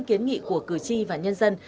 kiến nghị của cử tri và nhân dân